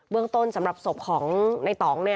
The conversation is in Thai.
เรื่องต้นสำหรับศพของในตอง